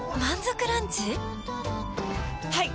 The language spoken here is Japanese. はい！